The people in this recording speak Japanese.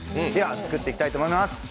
では作っていきたいと思います。